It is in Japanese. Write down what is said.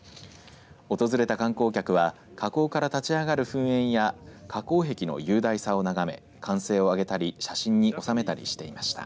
訪れた観光客は火口から立ち上がる噴煙や火口壁の雄大さを眺め歓声を上げたり写真に収めたりしていました。